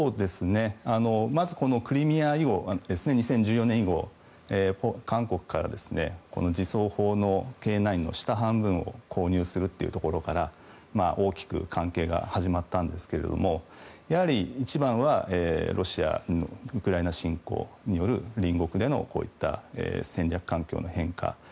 まず、クリミア以後２０１４年以後韓国から自走砲のＫ９の下半分を購入するというところから大きく関係が始まったんですけれどもやはり一番はロシアのウクライナ侵攻による隣国での戦略環境の変化。